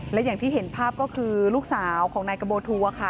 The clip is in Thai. และอย่างที่เห็นภาพก็คือลูกสาวของนายกะโบทัวค่ะ